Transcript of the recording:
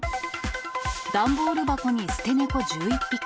段ボール箱に捨て猫１１匹。